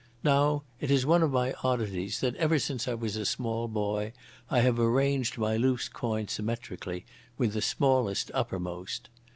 Now it is one of my oddities that ever since I was a small boy I have arranged my loose coins symmetrically, with the smallest uppermost.